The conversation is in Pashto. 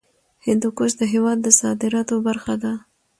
هندوکش د هېواد د صادراتو برخه ده.